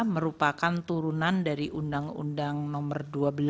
merupakan turunan dari undang undang nomor dua belas